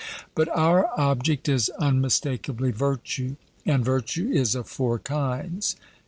But our object is unmistakeably virtue, and virtue is of four kinds.